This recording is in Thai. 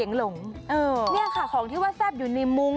นี่ค่ะของที่ว่าแซ่บอยู่ในมุ้ง